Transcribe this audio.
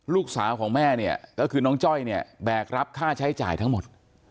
ลูกสาวของแม่เนี่ยก็คือน้องจ้อยเนี่ยแบกรับค่าใช้จ่ายทั้งหมด